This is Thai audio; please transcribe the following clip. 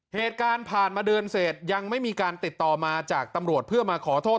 เหตุการณ์ผ่านมาเดือนเสร็จยังไม่มีการติดต่อมาจากตำรวจเพื่อมาขอโทษ